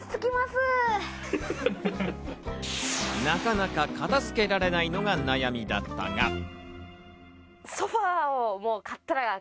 なかなか片付けられないのが悩みだったが。